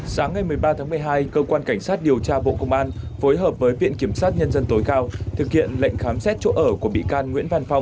sáng ngày một mươi ba tháng một mươi hai cơ quan cảnh sát điều tra bộ công an phối hợp với viện kiểm sát nhân dân tối cao thực hiện lệnh khám xét chỗ ở của bị can nguyễn văn phong